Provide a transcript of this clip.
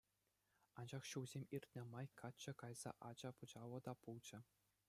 Анчах ҫулсем иртнӗ май качча кайса ача-пӑчаллӑ та пулчӗ.